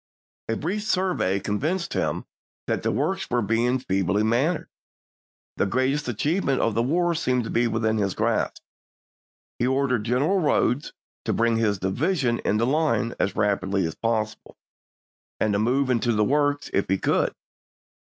A brief survey convinced him " that the works were « Memoir but feebly manned"; the greatest achievement of Las* yIm the war seemed to be within his grasp. He ordered war," P?eo. General Rodes to " bring his division into line as rapidly as possible, and to move into the works if he could."